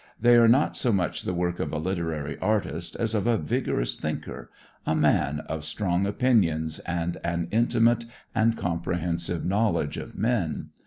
They are not so much the work of a literary artist as of a vigorous thinker, a man of strong opinions and an intimate and comprehensive knowledge of men.